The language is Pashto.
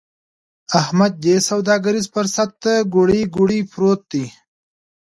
احمد دې سوداګريز فرصت ته کوړۍ کوړۍ پروت دی.